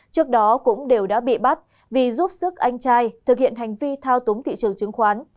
trước đó cũng đều đã bị bắt vì giúp sức anh trai thực hiện hành vi thao túng thị trường chứng khoán